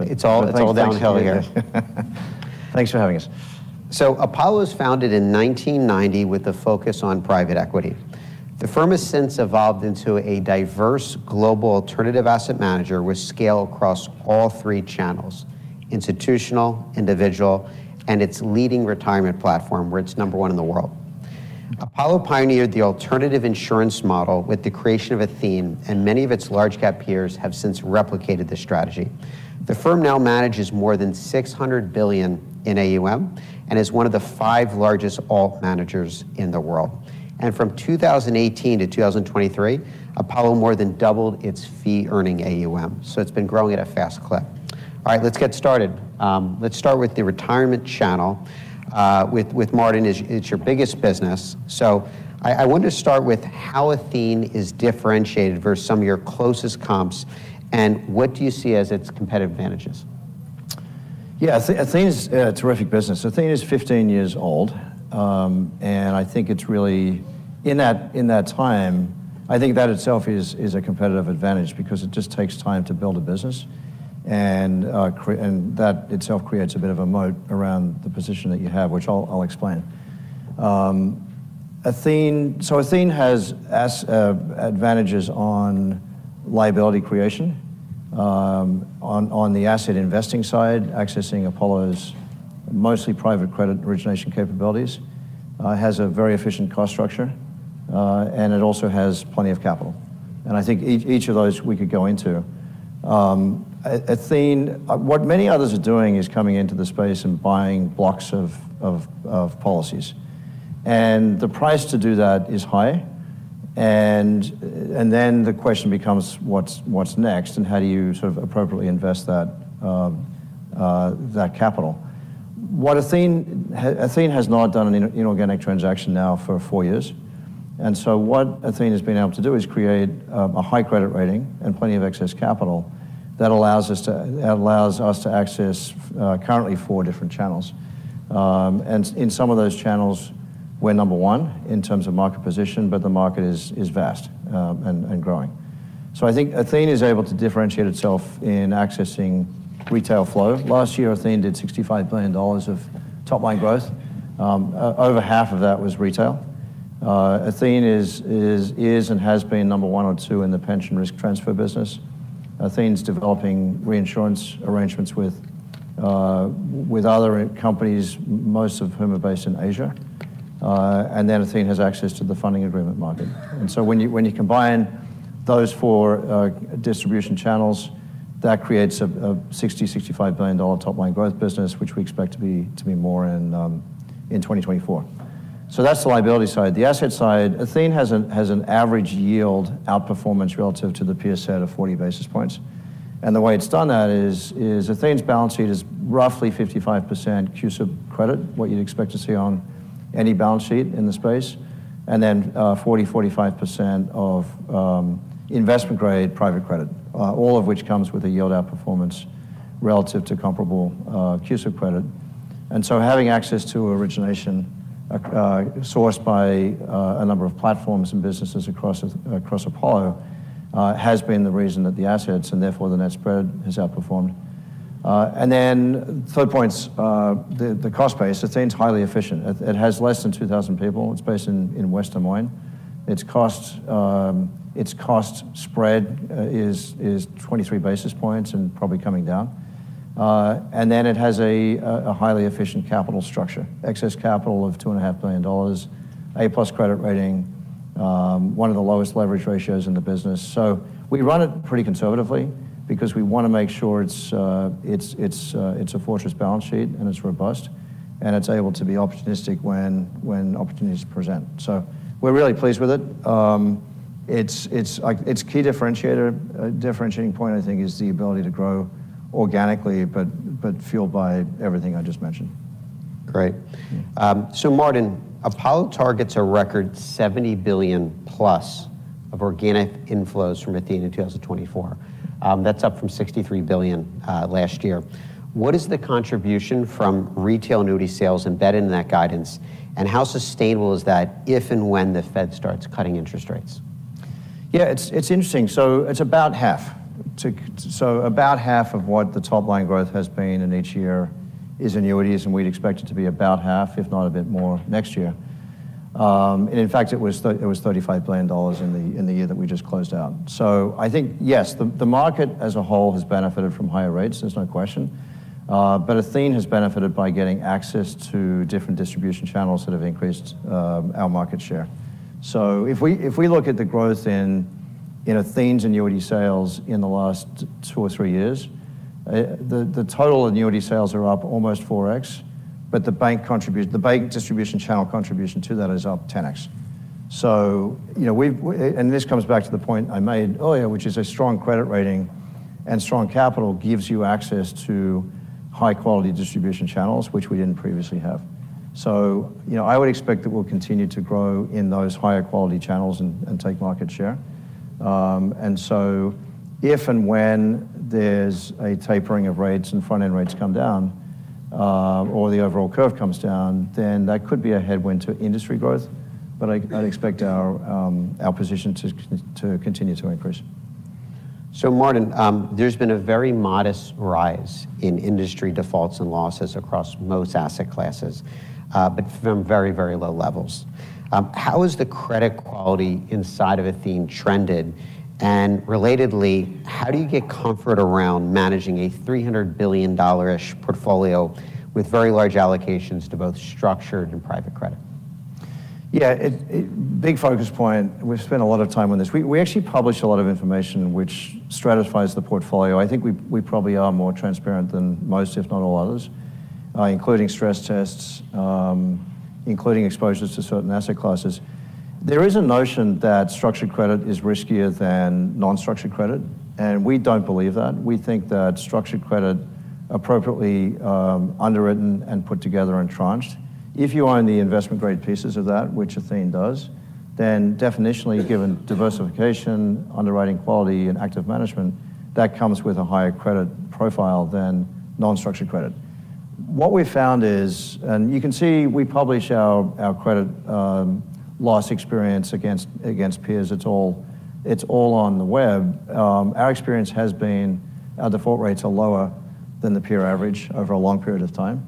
It's all downhill here. Thanks for having us. So Apollo was founded in 1990 with a focus on private equity. The firm has since evolved into a diverse global alternative asset manager with scale across all three channels: institutional, individual, and its leading retirement platform where it's number one in the world. Apollo pioneered the alternative insurance model with the creation of Athene, and many of its large-cap peers have since replicated the strategy. The firm now manages more than $600 billion in AUM and is one of the five largest alt managers in the world. And from 2018 to 2023, Apollo more than doubled its fee-earning AUM, so it's been growing at a fast clip. All right, let's get started. Let's start with the retirement channel. With Martin, it's your biggest business. I wanted to start with how Athene is differentiated versus some of your closest comps, and what do you see as its competitive advantages? Yeah, Athene is a terrific business. Athene is 15 years old, and I think it's really in that time, I think that itself is a competitive advantage because it just takes time to build a business, and that itself creates a bit of a moat around the position that you have, which I'll explain. Athene has advantages on liability creation, on the asset investing side, accessing Apollo's mostly private credit origination capabilities, has a very efficient cost structure, and it also has plenty of capital. And I think each of those we could go into. Athene, what many others are doing is coming into the space and buying blocks of policies. And the price to do that is high, and then the question becomes what's next and how do you sort of appropriately invest that capital. What Athene has not done is an inorganic transaction now for four years, and so what Athene has been able to do is create a high credit rating and plenty of excess capital that allows us to access currently four different channels. In some of those channels, we're number one in terms of market position, but the market is vast and growing. I think Athene is able to differentiate itself in accessing retail flow. Last year, Athene did $65 billion of top-line growth. Over half of that was retail. Athene is and has been number one or two in the pension risk transfer business. Athene is developing reinsurance arrangements with other companies, most of whom are based in Asia, and then Athene has access to the funding agreement market. And so when you combine those four distribution channels, that creates a $60-$65 billion top-line growth business, which we expect to be more in 2024. So that's the liability side. The asset side, Athene has an average yield outperformance relative to the peer set of 40 basis points. And the way it's done that is Athene's balance sheet is roughly 55% CUSIP credit, what you'd expect to see on any balance sheet in the space, and then 40%-45% of investment-grade private credit, all of which comes with a yield outperformance relative to comparable CUSIP credit. And so having access to origination sourced by a number of platforms and businesses across Apollo has been the reason that the assets, and therefore the net spread, has outperformed. And then third point's the cost base. Athene's highly efficient. It has less than 2,000 people. It's based in West Des Moines. Its cost spread is 23 basis points and probably coming down. And then it has a highly efficient capital structure, excess capital of $2.5 billion, A-plus credit rating, one of the lowest leverage ratios in the business. So we run it pretty conservatively because we want to make sure it's a fortress balance sheet and it's robust, and it's able to be opportunistic when opportunities present. So we're really pleased with it. Its key differentiating point, I think, is the ability to grow organically but fueled by everything I just mentioned. Great. So Martin, Apollo targets a record $70 billion+ of organic inflows from Athene in 2024. That's up from $63 billion last year. What is the contribution from retail annuity sales embedded in that guidance, and how sustainable is that if and when the Fed starts cutting interest rates? Yeah, it's interesting. So it's about half. So about half of what the top-line growth has been in each year is annuities, and we'd expect it to be about half, if not a bit more, next year. And in fact, it was $35 billion in the year that we just closed out. So I think, yes, the market as a whole has benefited from higher rates, there's no question, but Athene has benefited by getting access to different distribution channels that have increased our market share. So if we look at the growth in Athene's annuity sales in the last two or three years, the total annuity sales are up almost 4x, but the bank distribution channel contribution to that is up 10x. And this comes back to the point I made earlier, which is a strong credit rating and strong capital gives you access to high-quality distribution channels, which we didn't previously have. So I would expect that we'll continue to grow in those higher-quality channels and take market share. And so if and when there's a tapering of rates and front-end rates come down or the overall curve comes down, then that could be a headwind to industry growth, but I'd expect our position to continue to increase. So Martin, there's been a very modest rise in industry defaults and losses across most asset classes, but from very, very low levels. How has the credit quality inside of Athene trended, and relatedly, how do you get comfort around managing a $300 billion-ish portfolio with very large allocations to both structured and private credit? Yeah, big focus point. We've spent a lot of time on this. We actually publish a lot of information which stratifies the portfolio. I think we probably are more transparent than most, if not all others, including stress tests, including exposures to certain asset classes. There is a notion that structured credit is riskier than non-structured credit, and we don't believe that. We think that structured credit, appropriately underwritten and put together and tranched, if you own the investment-grade pieces of that, which Athene does, then definitionally, given diversification, underwriting quality, and active management, that comes with a higher credit profile than non-structured credit. What we've found is, and you can see we publish our credit loss experience against peers. It's all on the web. Our experience has been our default rates are lower than the peer average over a long period of time.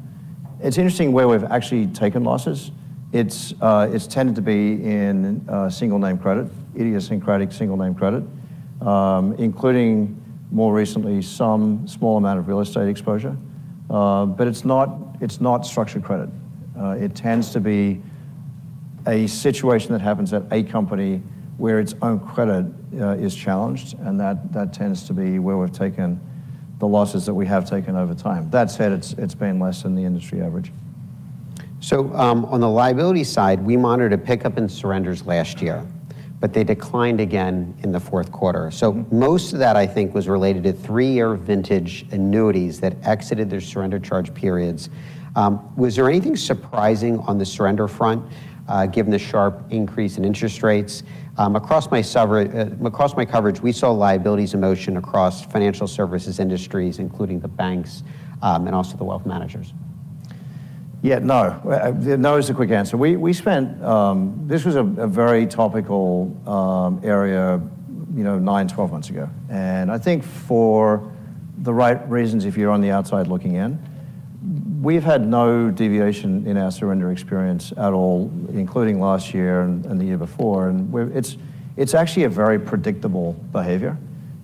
It's interesting where we've actually taken losses. It's tended to be in single-name credit, idiosyncratic single-name credit, including more recently some small amount of real estate exposure, but it's not structured credit. It tends to be a situation that happens at a company where its own credit is challenged, and that tends to be where we've taken the losses that we have taken over time. That said, it's been less than the industry average. So on the liability side, we monitored a pickup in surrenders last year, but they declined again in the fourth quarter. So most of that, I think, was related to three-year vintage annuities that exited their surrender charge periods. Was there anything surprising on the surrender front given the sharp increase in interest rates? Across my coverage, we saw liabilities in motion across financial services industries, including the banks and also the wealth managers. Yeah, no. No is a quick answer. This was a very topical area 9, 12 months ago, and I think for the right reasons, if you're on the outside looking in, we've had no deviation in our surrender experience at all, including last year and the year before. It's actually a very predictable behavior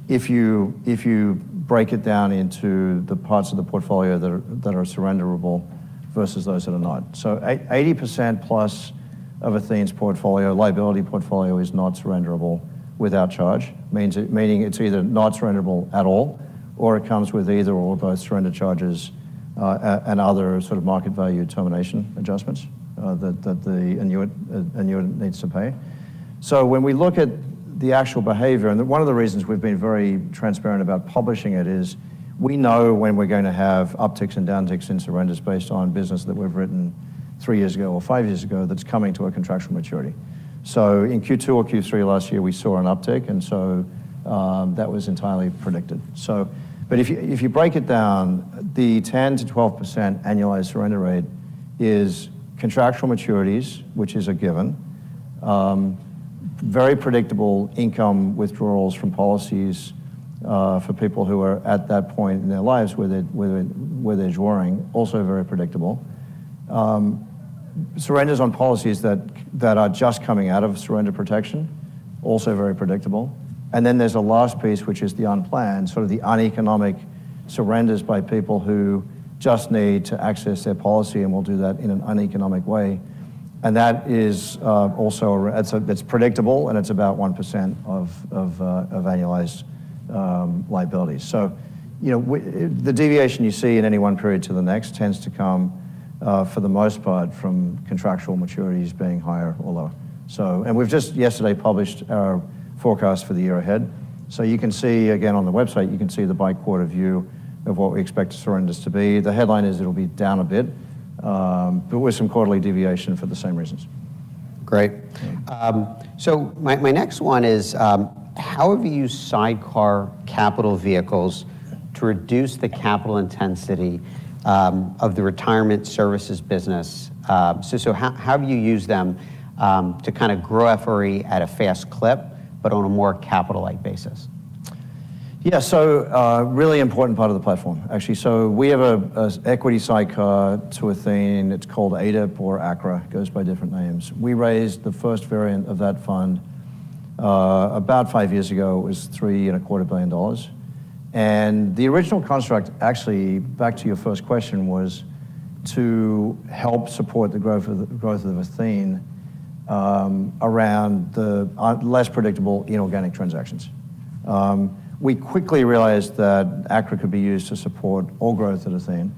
if you break it down into the parts of the portfolio that are surrenderable versus those that are not. So 80% plus of Athene's portfolio, liability portfolio, is not surrenderable without charge, meaning it's either not surrenderable at all or it comes with either or both surrender charges and other sort of market value termination adjustments that the annuity needs to pay. So when we look at the actual behavior, and one of the reasons we've been very transparent about publishing it is we know when we're going to have upticks and downticks in surrenders based on business that we've written three years ago or five years ago that's coming to a contractual maturity. So in Q2 or Q3 last year, we saw an uptick, and so that was entirely predicted. But if you break it down, the 10%-12% annualized surrender rate is contractual maturities, which is a given, very predictable income withdrawals from policies for people who are at that point in their lives where they're drawing, also very predictable. Surrenders on policies that are just coming out of surrender protection, also very predictable. And then there's a last piece, which is the unplanned, sort of the uneconomic surrenders by people who just need to access their policy, and we'll do that in an uneconomic way. And that's predictable, and it's about 1% of annualized liabilities. So the deviation you see in any one period to the next tends to come, for the most part, from contractual maturities being higher or lower. And we've just yesterday published our forecast for the year ahead. So you can see, again, on the website, you can see the bi-quarter view of what we expect surrenders to be. The headline is it'll be down a bit, but with some quarterly deviation for the same reasons. Great. So my next one is how have you sidecar capital vehicles to reduce the capital intensity of the retirement services business? So how have you used them to kind of grow FRE at a fast clip but on a more capital-like basis? Yeah, so really important part of the platform, actually. So we have an equity sidecar to Athene. It's called ADIP or ACRA. It goes by different names. We raised the first variant of that fund about five years ago. It was $3.25 billion. And the original construct, actually, back to your first question, was to help support the growth of Athene around the less predictable inorganic transactions. We quickly realized that ACRA could be used to support all growth at Athene.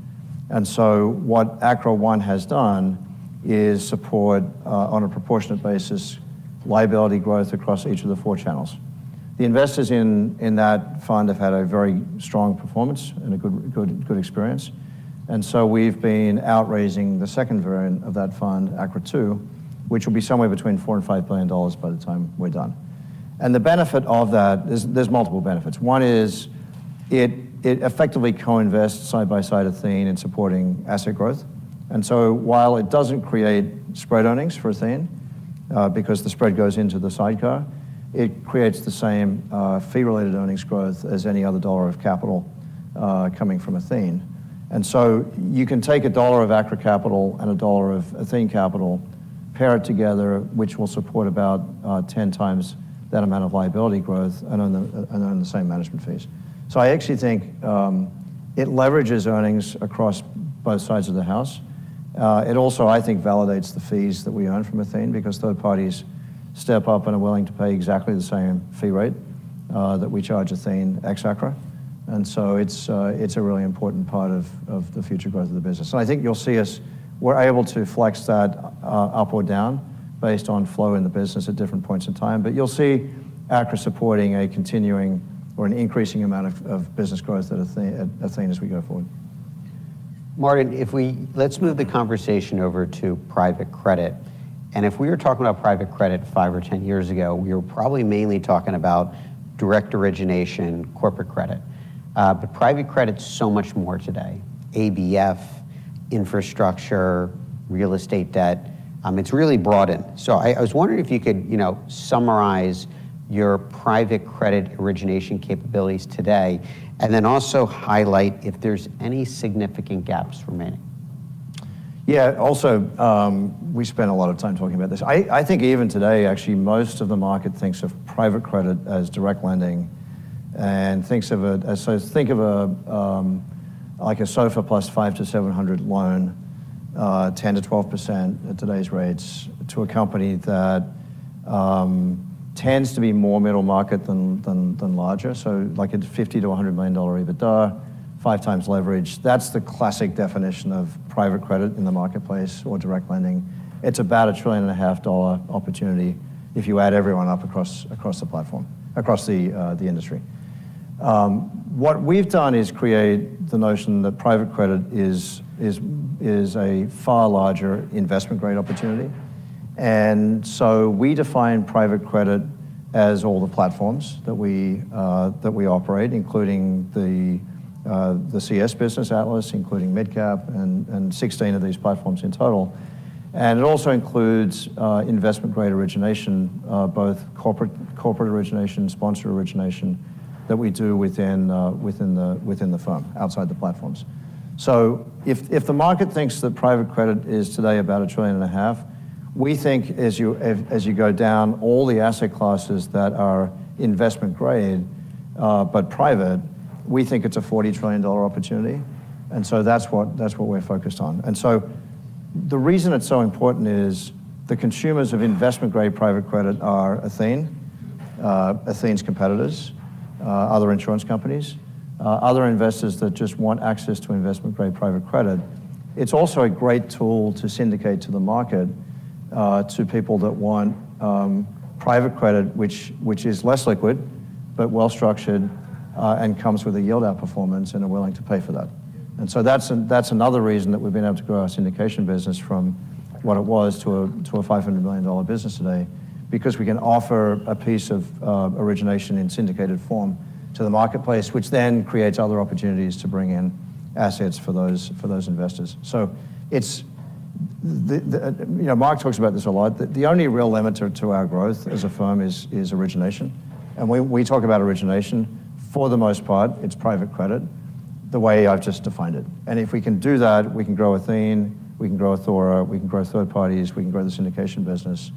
And so what ACRA One has done is support, on a proportionate basis, liability growth across each of the four channels. The investors in that fund have had a very strong performance and a good experience. And so we've been outraising the second variant of that fund, ACRA Two, which will be somewhere between $4-$5 billion by the time we're done. And the benefit of that, there's multiple benefits. One is it effectively co-invests side by side Athene in supporting asset growth. And so while it doesn't create spread earnings for Athene because the spread goes into the sidecar, it creates the same fee-related earnings growth as any other dollar of capital coming from Athene. And so you can take a dollar of ACRA capital and a dollar of Athene capital, pair it together, which will support about 10 times that amount of liability growth and earn the same management fees. So I actually think it leverages earnings across both sides of the house. It also, I think, validates the fees that we earn from Athene because third parties step up and are willing to pay exactly the same fee rate that we charge Athene, ex-ACRA. And so it's a really important part of the future growth of the business. I think you'll see us, we're able to flex that up or down based on flow in the business at different points in time, but you'll see ACRA supporting a continuing or an increasing amount of business growth at Athene as we go forward. Martin, let's move the conversation over to private credit. If we were talking about private credit 5 or 10 years ago, we were probably mainly talking about direct origination corporate credit. Private credit's so much more today: ABF, infrastructure, real estate debt. It's really broadened. I was wondering if you could summarize your private credit origination capabilities today and then also highlight if there's any significant gaps remaining. Yeah, also, we spent a lot of time talking about this. I think even today, actually, most of the market thinks of private credit as direct lending and thinks of it as so think of a SOFR plus 5-700 loan, 10%-12% at today's rates, to a company that tends to be more middle market than larger. So like a $50-$100 million EBITDA, 5x leverage. That's the classic definition of private credit in the marketplace or direct lending. It's about a $1.5 trillion dollar opportunity if you add everyone up across the platform, across the industry. What we've done is create the notion that private credit is a far larger investment-grade opportunity. And so we define private credit as all the platforms that we operate, including the CS business Atlas, including MidCap and 16 of these platforms in total. It also includes investment-grade origination, both corporate origination and sponsored origination that we do within the firm, outside the platforms. So if the market thinks that private credit is today about $1.5 trillion, we think as you go down all the asset classes that are investment-grade but private, we think it's a $40 trillion opportunity. And so that's what we're focused on. And so the reason it's so important is the consumers of investment-grade private credit are Athene, Athene's competitors, other insurance companies, other investors that just want access to investment-grade private credit. It's also a great tool to syndicate to the market to people that want private credit, which is less liquid but well-structured and comes with a yield-out performance and are willing to pay for that. And so that's another reason that we've been able to grow our syndication business from what it was to a $500 million business today because we can offer a piece of origination in syndicated form to the marketplace, which then creates other opportunities to bring in assets for those investors. So Marc talks about this a lot. The only real limiter to our growth as a firm is origination. And we talk about origination. For the most part, it's private credit the way I've just defined it. And if we can do that, we can grow Athene, we can grow Athora, we can grow third parties, we can grow the syndication business.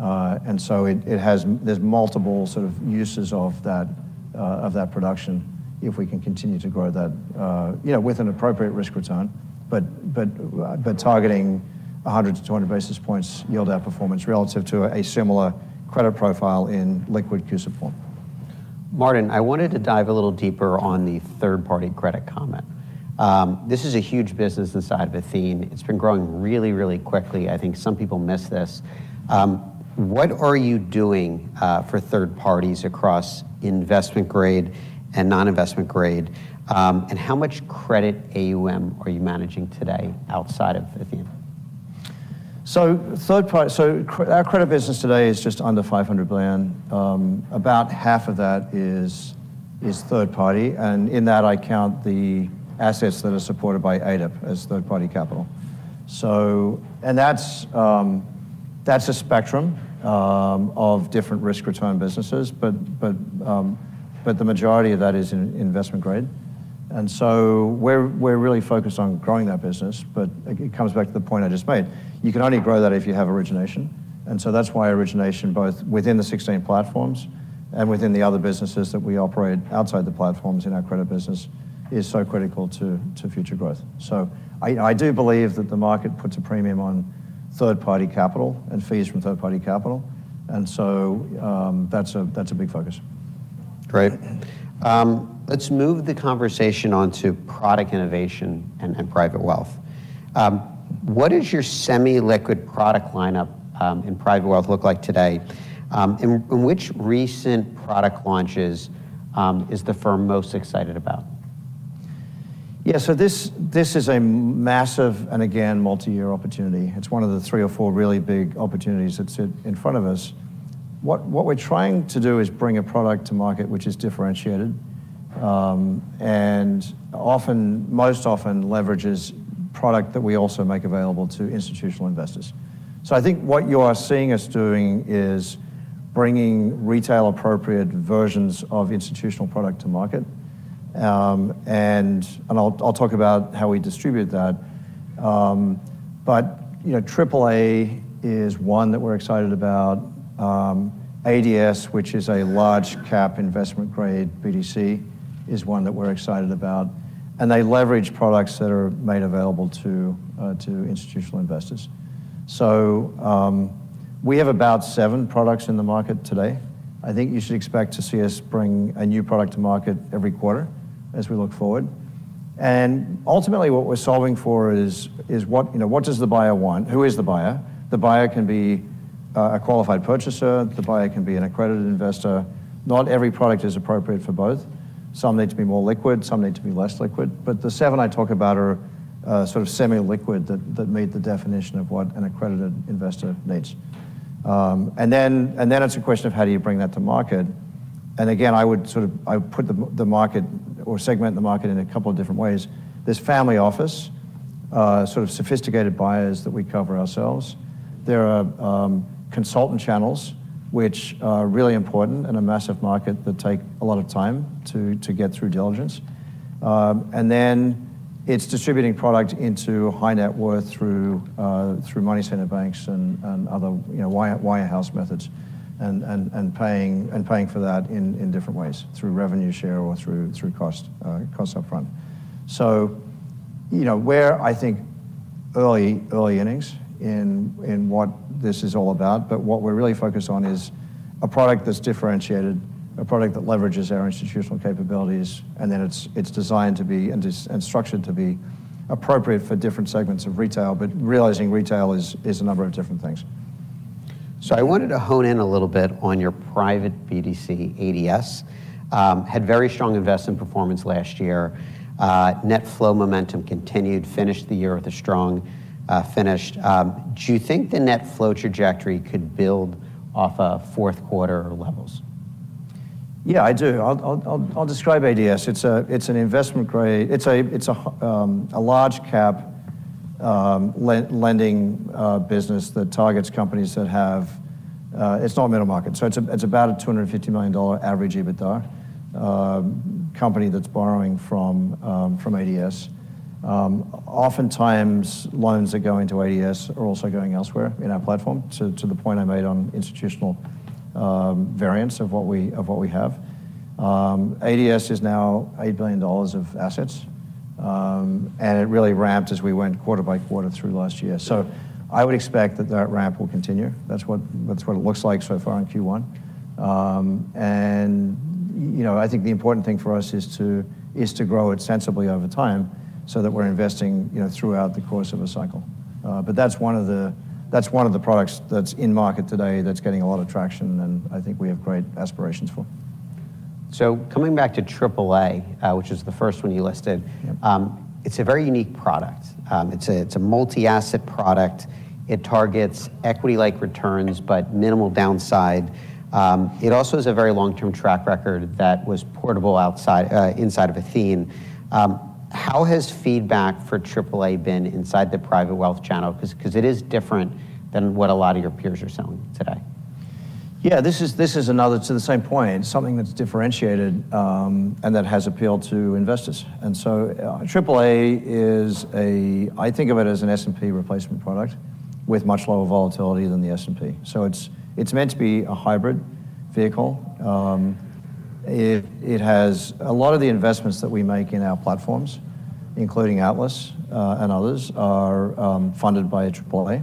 And so there's multiple sort of uses of that production if we can continue to grow that with an appropriate risk return but targeting 100-200 basis points yield-out performance relative to a similar credit profile in liquid CUSIP form. Martin, I wanted to dive a little deeper on the third-party credit comment. This is a huge business inside of Athene. It's been growing really, really quickly. I think some people miss this. What are you doing for third parties across investment-grade and non-investment-grade, and how much credit AUM are you managing today outside of Athene? So our credit business today is just under $500 billion. About half of that is third-party. And in that, I count the assets that are supported by ADIP as third-party capital. And that's a spectrum of different risk-return businesses, but the majority of that is in investment-grade. And so we're really focused on growing that business. But it comes back to the point I just made. You can only grow that if you have origination. And so that's why origination, both within the 16 platforms and within the other businesses that we operate outside the platforms in our credit business, is so critical to future growth. So I do believe that the market puts a premium on third-party capital and fees from third-party capital. And so that's a big focus. Great. Let's move the conversation onto product innovation and private wealth. What does your semi-liquid product lineup in private wealth look like today? And which recent product launches is the firm most excited about? Yeah, so this is a massive and, again, multi-year opportunity. It's one of the three or four really big opportunities that sit in front of us. What we're trying to do is bring a product to market which is differentiated and most often leverages product that we also make available to institutional investors. So I think what you are seeing us doing is bringing retail-appropriate versions of institutional product to market. And I'll talk about how we distribute that. But AAA is one that we're excited about. ADS, which is a large-cap investment-grade BDC, is one that we're excited about. And they leverage products that are made available to institutional investors. So we have about seven products in the market today. I think you should expect to see us bring a new product to market every quarter as we look forward. And ultimately, what we're solving for is what does the buyer want? Who is the buyer? The buyer can be a qualified purchaser. The buyer can be an accredited investor. Not every product is appropriate for both. Some need to be more liquid. Some need to be less liquid. But the seven I talk about are sort of semi-liquid that meet the definition of what an accredited investor needs. And then it's a question of how do you bring that to market? And again, I would sort of put the market or segment the market in a couple of different ways. There's family office, sort of sophisticated buyers that we cover ourselves. There are consultant channels, which are really important and a massive market that take a lot of time to get through diligence. Then it's distributing product into high-net-worth through money center banks and other wirehouse methods and paying for that in different ways, through revenue share or through cost upfront. We're, I think, early innings in what this is all about. What we're really focused on is a product that's differentiated, a product that leverages our institutional capabilities, and then it's designed to be and structured to be appropriate for different segments of retail, but realizing retail is a number of different things. I wanted to hone in a little bit on your private BDC, ADS. Had very strong investment performance last year. Net flow momentum continued, finished the year with a strong finish. Do you think the net flow trajectory could build off of fourth quarter levels? Yeah, I do. I'll describe ADS. It's an investment-grade, it's a large-cap lending business that targets companies that have—it's not middle market. So it's about a $250 million average EBITDA company that's borrowing from ADS. Oftentimes, loans that go into ADS are also going elsewhere in our platform to the point I made on institutional variants of what we have. ADS is now $8 billion of assets, and it really ramped as we went quarter by quarter through last year. So I would expect that that ramp will continue. That's what it looks like so far in Q1. And I think the important thing for us is to grow it sensibly over time so that we're investing throughout the course of a cycle. But that's one of the products that's in market today that's getting a lot of traction and I think we have great aspirations for. So coming back to AAA, which is the first one you listed, it's a very unique product. It's a multi-asset product. It targets equity-like returns but minimal downside. It also has a very long-term track record that was portable inside of Athene. How has feedback for AAA been inside the private wealth channel? Because it is different than what a lot of your peers are selling today. Yeah, this is another to the same point, something that's differentiated and that has appealed to investors. And so AAA is, I think, of it as an S&P replacement product with much lower volatility than the S&P. So it's meant to be a hybrid vehicle. It has a lot of the investments that we make in our platforms, including Atlas and others, are funded by AAA.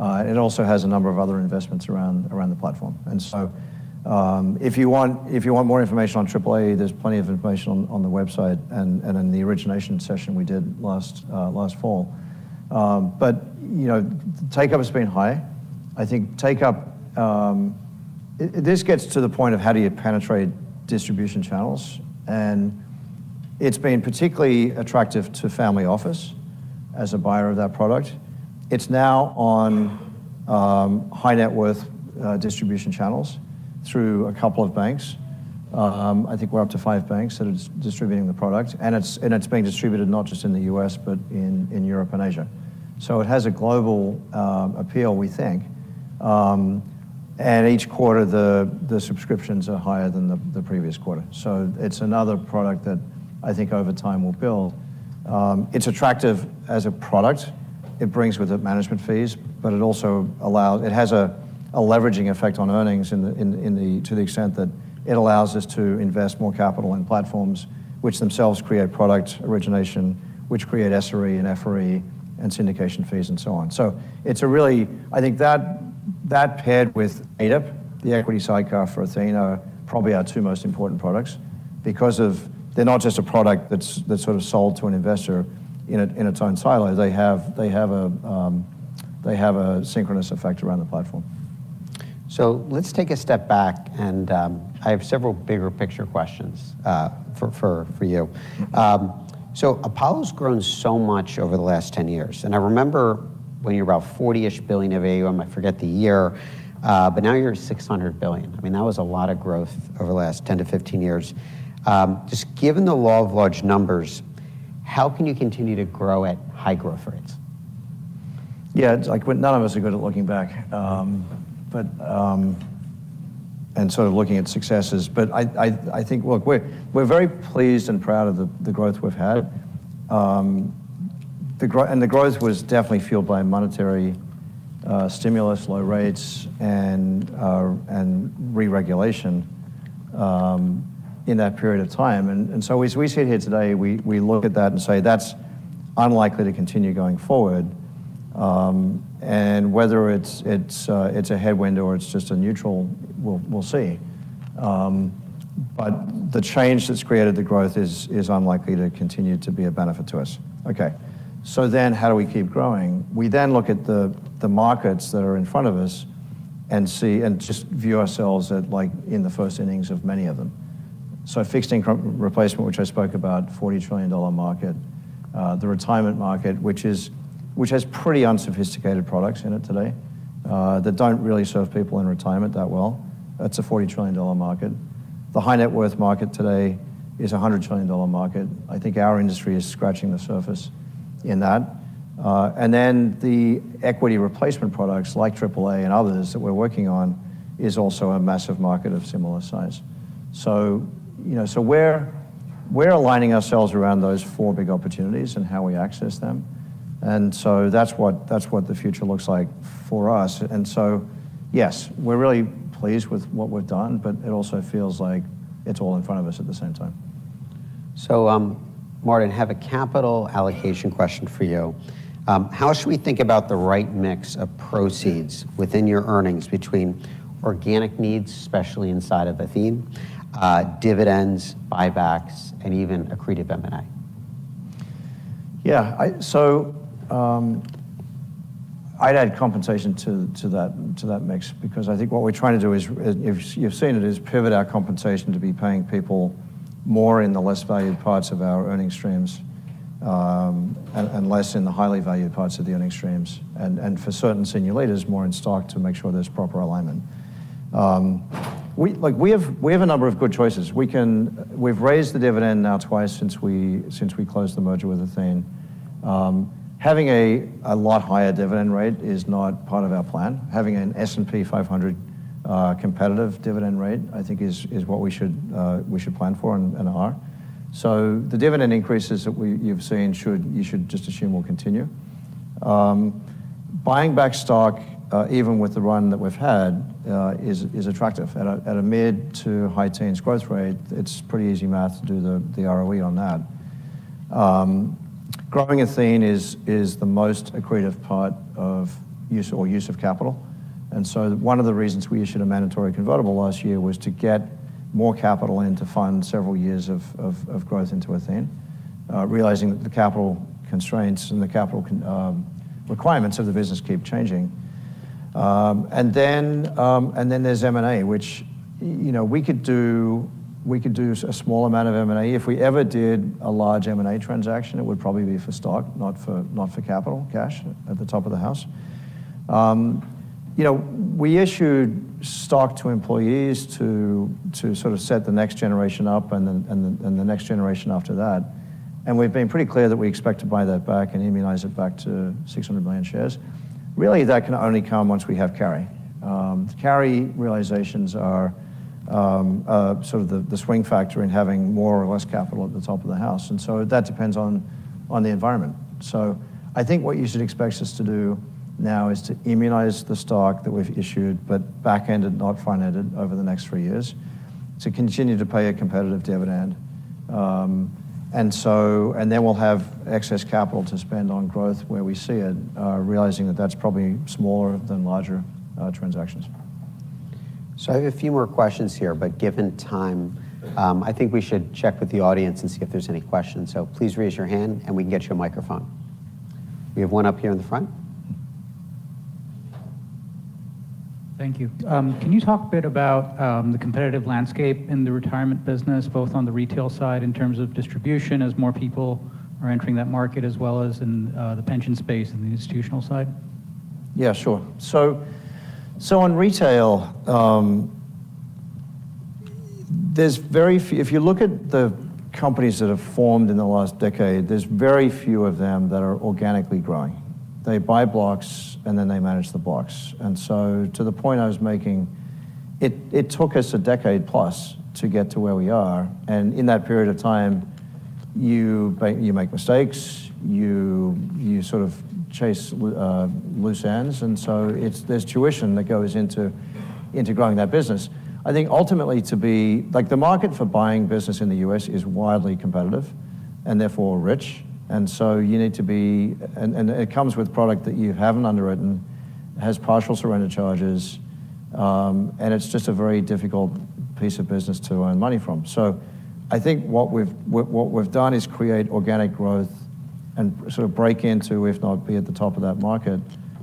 And it also has a number of other investments around the platform. And so if you want more information on AAA, there's plenty of information on the website and in the origination session we did last fall. But uptake has been high. I think uptake; this gets to the point of how do you penetrate distribution channels. And it's been particularly attractive to family office as a buyer of that product. It's now on high net worth distribution channels through a couple of banks. I think we're up to five banks that are distributing the product. And it's being distributed not just in the U.S. but in Europe and Asia. So it has a global appeal, we think. And each quarter, the subscriptions are higher than the previous quarter. So it's another product that I think over time will build. It's attractive as a product. It brings with it management fees, but it also allows it has a leveraging effect on earnings to the extent that it allows us to invest more capital in platforms which themselves create product origination, which create SRE and FRE and syndication fees and so on. So, it's really, I think, that paired with ADIP, the equity sidecar for Athene, are probably our two most important products because they're not just a product that's sort of sold to an investor in its own silo. They have a synchronous effect around the platform. So let's take a step back. And I have several bigger picture questions for you. So Apollo's grown so much over the last 10 years. And I remember when you were about $40 billion-ish of AUM. I forget the year. But now you're at $600 billion. I mean, that was a lot of growth over the last 10-15 years. Just given the law of large numbers, how can you continue to grow at high growth rates? Yeah, none of us are good at looking back and sort of looking at successes. But I think, look, we're very pleased and proud of the growth we've had. And the growth was definitely fueled by monetary stimulus, low rates, and re-regulation in that period of time. And so as we sit here today, we look at that and say that's unlikely to continue going forward. And whether it's a headwind or it's just a neutral, we'll see. But the change that's created the growth is unlikely to continue to be a benefit to us. Okay. So then how do we keep growing? We then look at the markets that are in front of us and just view ourselves in the first innings of many of them. So fixed income replacement, which I spoke about, $40 trillion market. The retirement market, which has pretty unsophisticated products in it today that don't really serve people in retirement that well. It's a $40 trillion market. The high net worth market today is a $100 trillion market. I think our industry is scratching the surface in that. And then the equity replacement products like AAA and others that we're working on is also a massive market of similar size. So we're aligning ourselves around those four big opportunities and how we access them. And so that's what the future looks like for us. And so yes, we're really pleased with what we've done, but it also feels like it's all in front of us at the same time. So Martin, I have a capital allocation question for you. How should we think about the right mix of proceeds within your earnings between organic needs, especially inside of Athene, dividends, buybacks, and even accretive M&A? Yeah, so I'd add compensation to that mix because I think what we're trying to do, as you've seen it, is pivot our compensation to be paying people more in the less valued parts of our earnings streams and less in the highly valued parts of the earnings streams. And for certain senior leaders, more in stock to make sure there's proper alignment. Look, we have a number of good choices. We've raised the dividend now twice since we closed the merger with Athene. Having a lot higher dividend rate is not part of our plan. Having an S&P 500 competitive dividend rate, I think, is what we should plan for and are. So the dividend increases that you've seen, you should just assume will continue. Buying back stock, even with the run that we've had, is attractive. At a mid- to high-teens growth rate, it's pretty easy math to do the ROE on that. Growing Athene is the most accretive part of use of capital. One of the reasons we issued a mandatory convertible last year was to get more capital in to fund several years of growth into Athene, realizing that the capital constraints and the capital requirements of the business keep changing. Then there's M&A, which we could do a small amount of M&A. If we ever did a large M&A transaction, it would probably be for stock, not for capital, cash, at the top of the house. We issued stock to employees to sort of set the next generation up and the next generation after that. We've been pretty clear that we expect to buy that back and immunize it back to 600 million shares. Really, that can only come once we have carry. Carry realizations are sort of the swing factor in having more or less capital at the top of the house. And so that depends on the environment. So I think what you should expect us to do now is to immunize the stock that we've issued but back-ended and not front-ended over the next three years to continue to pay a competitive dividend. And then we'll have excess capital to spend on growth where we see it, realizing that that's probably smaller than larger transactions. So I have a few more questions here. But given time, I think we should check with the audience and see if there's any questions. So please raise your hand, and we can get you a microphone. We have one up here in the front. Thank you. Can you talk a bit about the competitive landscape in the retirement business, both on the retail side in terms of distribution as more people are entering that market as well as in the pension space and the institutional side? Yeah, sure. So on retail, if you look at the companies that have formed in the last decade, there's very few of them that are organically growing. They buy blocks, and then they manage the blocks. And so to the point I was making, it took us a decade plus to get to where we are. And in that period of time, you make mistakes. You sort of chase loose ends. And so there's tuition that goes into growing that business. I think ultimately, to be the market for buying business in the U.S. is widely competitive and therefore rich. And so you need to be and it comes with product that you haven't underwritten, has partial surrender charges, and it's just a very difficult piece of business to earn money from. So I think what we've done is create organic growth and sort of break into, if not be at the top of that market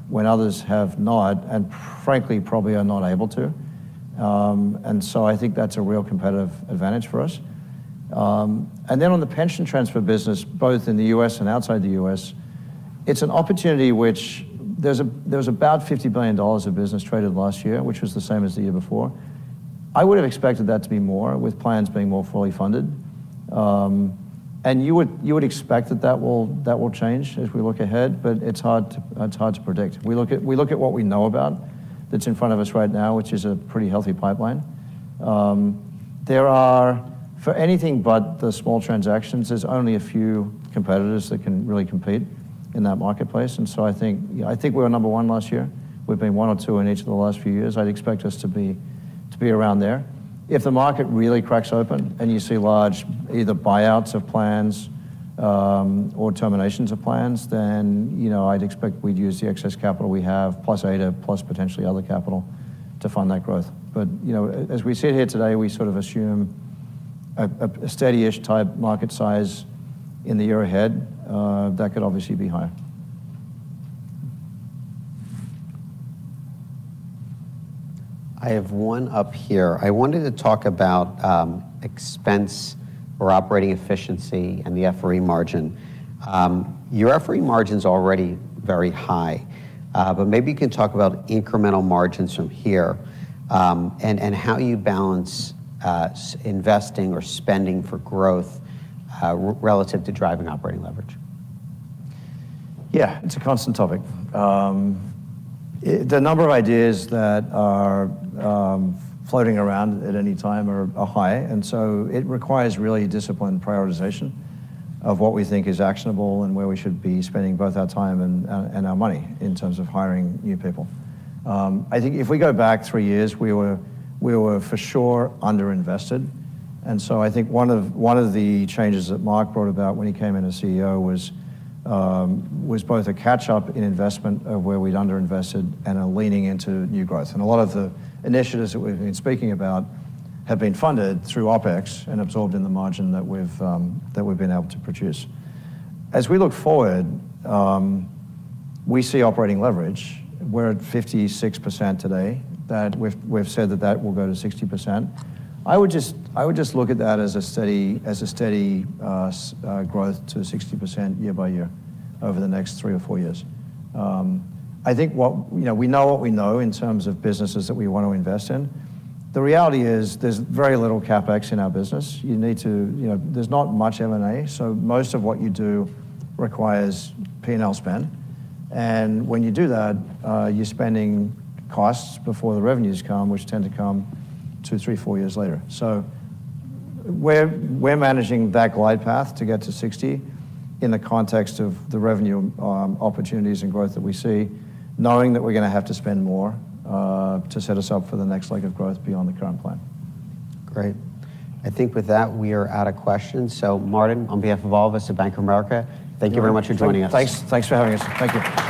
when others have not and frankly probably are not able to. And then on the pension transfer business, both in the U.S. and outside the U.S., it's an opportunity which there was about $50 billion of business traded last year, which was the same as the year before. I would have expected that to be more with plans being more fully funded. And you would expect that that will change as we look ahead. But it's hard to predict. We look at what we know about that's in front of us right now, which is a pretty healthy pipeline. For anything but the small transactions, there's only a few competitors that can really compete in that marketplace. And so I think we were number one last year. We've been one or two in each of the last few years. I'd expect us to be around there. If the market really cracks open and you see large either buyouts of plans or terminations of plans, then I'd expect we'd use the excess capital we have plus ADIP plus potentially other capital to fund that growth. But as we sit here today, we sort of assume a steady-ish type market size in the year ahead. That could obviously be higher. I have one up here. I wanted to talk about expense or operating efficiency and the FRE margin. Your FRE margin's already very high. But maybe you can talk about incremental margins from here and how you balance investing or spending for growth relative to driving operating leverage. Yeah, it's a constant topic. The number of ideas that are floating around at any time are high. And so it requires really disciplined prioritization of what we think is actionable and where we should be spending both our time and our money in terms of hiring new people. I think if we go back three years, we were for sure underinvested. And so I think one of the changes that Marc brought about when he came in as CEO was both a catch-up in investment of where we'd underinvested and a leaning into new growth. And a lot of the initiatives that we've been speaking about have been funded through OpEx and absorbed in the margin that we've been able to produce. As we look forward, we see operating leverage. We're at 56% today. We've said that that will go to 60%. I would just look at that as a steady growth to 60% year by year over the next 3 or 4 years. I think we know what we know in terms of businesses that we want to invest in. The reality is there's very little CapEx in our business. There's not much M&A. So most of what you do requires P&L spend. And when you do that, you're spending costs before the revenues come, which tend to come 2, 3, 4 years later. So we're managing that glide path to get to 60 in the context of the revenue opportunities and growth that we see, knowing that we're going to have to spend more to set us up for the next leg of growth beyond the current plan. Great. I think with that, we are out of questions. So Martin, on behalf of all of us at Bank of America, thank you very much for joining us. Thanks for having us. Thank you.